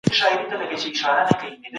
لويه جرګه د ستونزو د حل لپاره ښه ځای دی.